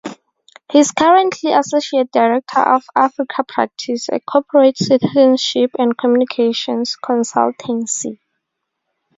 He is currently Associate Director of Africapractice, a corporate citizenship and communications consultancy.